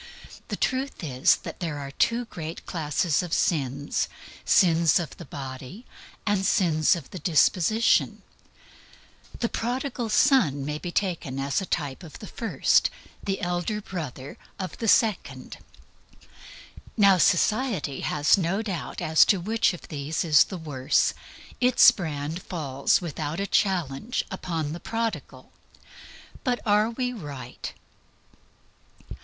The truth is, there are two great classes of sins sins of the Body and sins of the Disposition. The Prodigal Son may be taken as a type of the first, the Elder Brother of the second. Now, society has no doubt whatever as to which of these is the worse. Its brand falls, without a challenge, upon the Prodigal. But are we right?